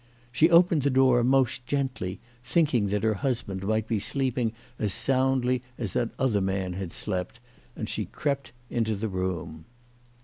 She opened the door most gently, thinking that her husband might be sleeping as soundly as that other man had slept, and she crept into the room.